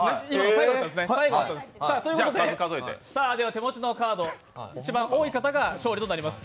手持ちのカード、一番多い方が勝利となります。